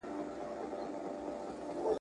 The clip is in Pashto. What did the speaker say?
په نتيجه کي پراخ اقتصادي خوځښت رامنځته شو.